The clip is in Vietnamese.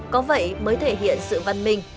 có vậy mới thể hiện sự văn minh